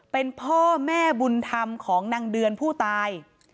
เป็นพ่อแม่บุญธรรมของนางเดือนผู้ตาย